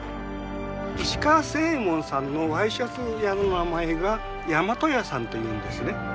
石川清右衛門さんのワイシャツ屋の名前が大和屋さんというんですね。